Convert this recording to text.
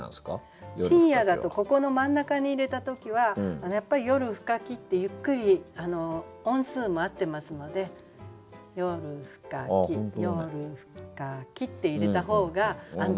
「深夜」だとここの真ん中に入れた時はやっぱり「夜深き」ってゆっくり音数も合ってますので「夜深き」って入れた方が安定します。